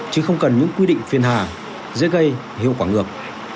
chứ không cần những quy định phiền hà dễ gây hiệu quả ngược